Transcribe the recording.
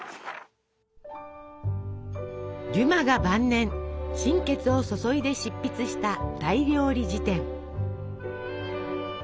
デュマが晩年心血を注いで執筆した「大料理事典」。